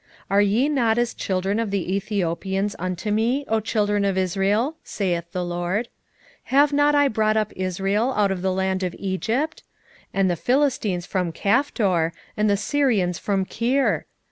9:7 Are ye not as children of the Ethiopians unto me, O children of Israel? saith the LORD. Have not I brought up Israel out of the land of Egypt? and the Philistines from Caphtor, and the Syrians from Kir?